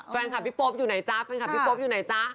แฟนคลับพี่โป๊ปอยู่ไหนจ๊ะแฟนคลับพี่โป๊ปอยู่ไหนจ๊ะ